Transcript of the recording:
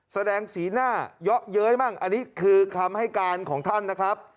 แสดงสีหน้าเยอะเย้ยมั่งอันนี้คือคำให้การของท่านนะครับ